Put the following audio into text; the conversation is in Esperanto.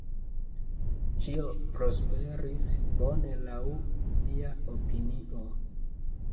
Ĉio prosperis bone laŭ mia opinio.